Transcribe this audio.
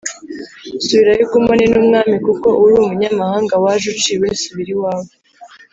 Subirayo ugumane n’umwami kuko uri umunyamahanga waje uciwe, subira iwawe.